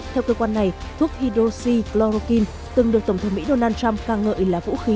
theo cơ quan này thuốc hidroxychloroquine từng được tổng thống mỹ donald trump ca ngợi là vũ khí